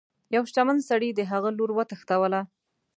یوه شتمن سړي د هغه لور وتښتوله.